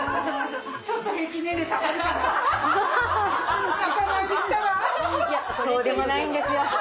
いやそうでもないんですよ。